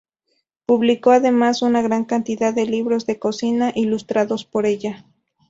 Publicó además una gran cantidad de libros de cocina, ilustrados por ella.